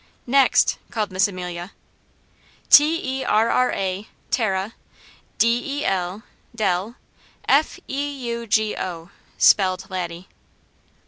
"Next!" called Miss Amelia. "T e r r a, Terra, d e l, del, F e u g o," spelled Laddie.